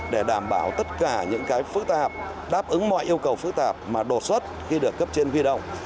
để đảm bảo tất cả những phức tạp đáp ứng mọi yêu cầu phức tạp mà đột xuất khi được cấp trên huy động